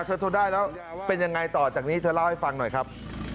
ทนได้แล้วเป็นยังไงต่อจากนี้เธอเล่าให้ฟังหน่อยครับ